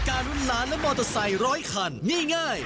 กติกานุญล้านและมอเตอร์ไซค์๑๐๐คันนี่ง่าย